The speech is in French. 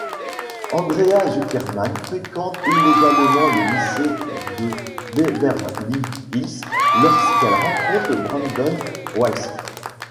Andrea Zuckerman fréquente illégalement le lycée de Beverly Hills lorsqu'elle rencontre Brandon Walsh.